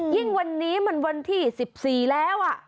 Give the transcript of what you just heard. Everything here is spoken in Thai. ยิ่งวันนี้มันวันที่๑๔แล้ว